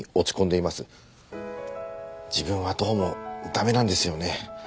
自分はどうも駄目なんですよね。